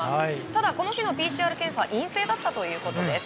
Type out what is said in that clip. ただ、この日のＰＣＲ検査は陰性だったということです。